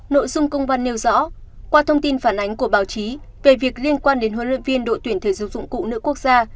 nội dung công văn nêu rõ qua thông tin phản ánh của báo chí về việc liên quan đến huấn luyện viên đội tuyển thể dục dụng cụ nữ quốc gia